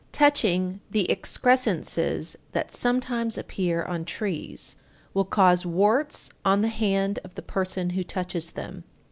_ 880. Touching the excrescences that sometimes appear on trees will cause warts on the hand of the person who touches them.